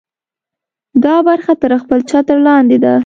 دا برخه تر خپل چتر لاندې ده.